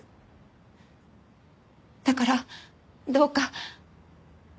だからどうか。